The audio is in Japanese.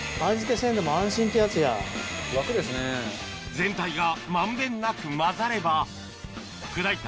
全体が満遍なく混ざれば砕いた